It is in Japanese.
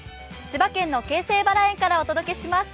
千葉県の京成バラ園からお届けします。